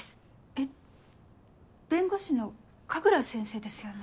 えっ弁護士の神楽先生ですよね？